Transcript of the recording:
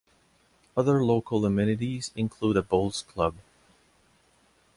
Other local amenities include a bowls club.